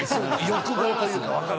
欲望というか分かる分かる。